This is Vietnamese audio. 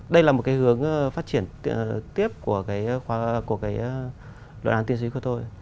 đây là một cái hướng phát triển tiếp của cái lội đoàn tiến sĩ của tôi